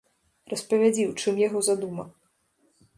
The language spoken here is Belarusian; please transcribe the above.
Распавядзі, у чым яго задума.